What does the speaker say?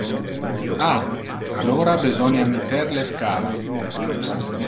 Ah, alora besonia mitter le scala.